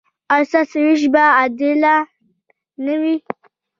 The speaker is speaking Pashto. ایا ستاسو ویش به عادلانه وي؟